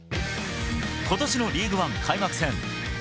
ことしのリーグワン開幕戦。